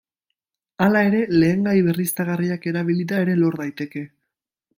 Hala ere, lehengai berriztagarriak erabilita ere lor daiteke.